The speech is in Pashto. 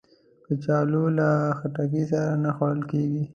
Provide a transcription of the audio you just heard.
کچالو له خټکی سره نه خوړل کېږي